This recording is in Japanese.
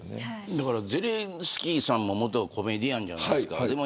ゼレンスキーさんも元コメディアンじゃないですか。